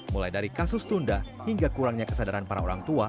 mulai dari kasus tunda hingga kurangnya kesadaran para orang tua